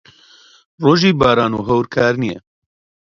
ڕۆژی باران و هەور کار نییە.